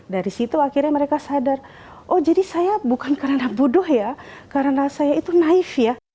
dari situ akhirnya mereka sadar oh jadi saya bukan karena bodoh ya karena saya itu naif ya